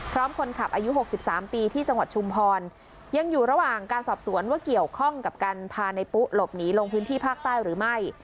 พร้อมคนขับอายุ๖๓ปีที่จังหวัดชุมพรยังอยู่ระหว่างการสอบสวนว่าเกี่ยวข้องกับการพาในปุ๊หลบหนีลงพื้นที่ภาคใต้หรือไม่